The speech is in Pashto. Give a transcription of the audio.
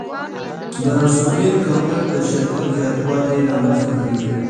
د انسولین کمښت د شکر زیاتوالی رامنځته کوي.